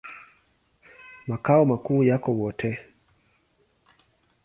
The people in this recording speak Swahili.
Makao makuu yako Wote.